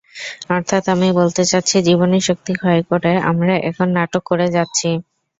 অর্থাৎ আমি বলতে চাচ্ছি, জীবনীশক্তি ক্ষয় করে আমরা এখন নাটক করে যাচ্ছি।